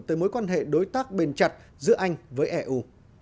tới mối quan hệ đối tác bền chặt giữa anh với eu